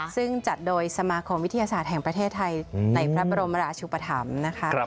ซึ่งจัดโดยสมาคมวิทยาศาสตร์แห่งประเทศไทยในพระบรมราชุปธรรมนะคะ